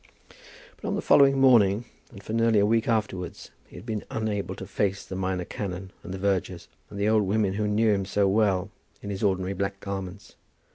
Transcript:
But on the following morning, and for nearly a week afterwards, he had been unable to face the minor canon and the vergers, and the old women who knew him so well, in his ordinary black garments.